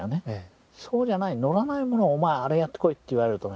そうじゃないのらないものを「お前あれやってこい」って言われるとね